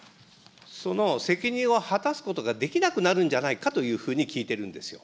その責任を果たすことができなくなるんじゃないかというふうに聞いてるんですよ。